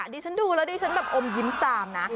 ดิฉันดูแล้วดิฉันแบบอมยิ้มตามนะ